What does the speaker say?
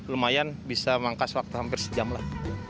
lumayan bisa mengangkas waktu hampir sejam lah